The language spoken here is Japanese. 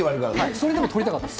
それでも撮りたかったです。